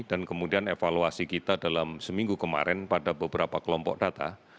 dan kemudian evaluasi kita dalam seminggu kemarin pada beberapa kelompok data